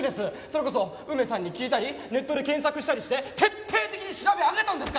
それこそ梅さんに聞いたりネットで検索したりして徹底的に調べ上げたんですから！